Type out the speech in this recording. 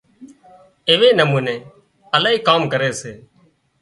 ايوي نموني الاهي ڪام ڪري سي